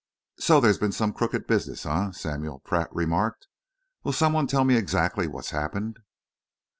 "So there's been some crooked business, eh?" Samuel Pratt remarked. "Will some one tell me exactly what's happened?"